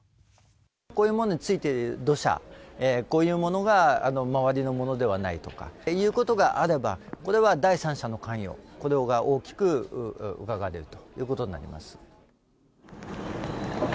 こういうものについている土砂こういうものが周りのものではないとかということがあればこれは第三者の関与が大きく疑われることになります。